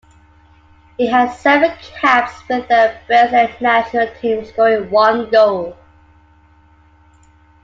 He had seven caps with the Brazilian national team, scoring one goal.